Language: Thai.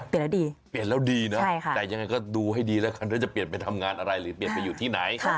เปลี่ยนแล้วจะดีไหมเปลี่ยนแล้วดี